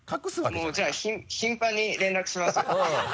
もうじゃあ頻繁に連絡しますよ。